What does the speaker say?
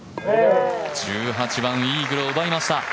１８番、イーグルを奪いました。